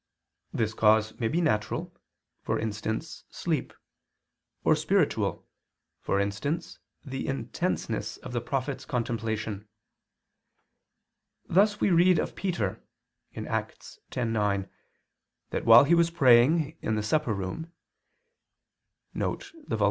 This cause may be natural for instance, sleep or spiritual for instance, the intenseness of the prophets' contemplation; thus we read of Peter (Acts 10:9) that while he was praying in the supper room [*Vulg.